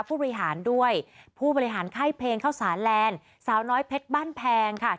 ผู้บริหารด้วยผู้บริหารค่ายเพลงเข้าสารแลนด์สาวน้อยเพชรบ้านแพงค่ะ